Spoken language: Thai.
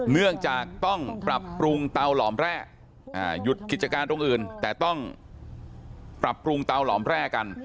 เนื่องจากต้องปรับปรุงเตาหลอมแร่หยุดกิจการตรงอื่นแต่ต้องปรับปรุงเตาหลอมแร่กัน